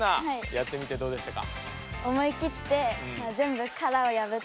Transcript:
やってみてどうでしたか？